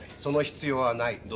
その必要はない。